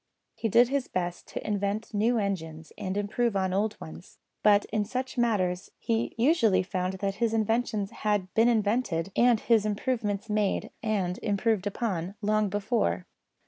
He did his best to invent new engines and improve on old ones; but in such matters he usually found that his inventions had been invented, and his improvements made and improved upon, long before.